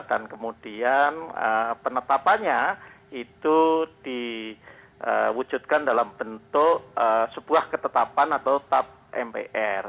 dan kemudian penetapannya itu diwujudkan dalam bentuk sebuah ketetapan atau tabungan